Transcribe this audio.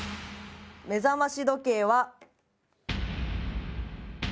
目覚まし時計は。